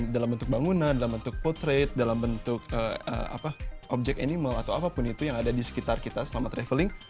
dalam bentuk bangunan dalam bentuk potret dalam bentuk objek animal atau apapun itu yang ada di sekitar kita selama traveling